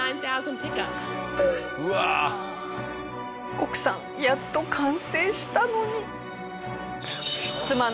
奥さんやっと完成したのに。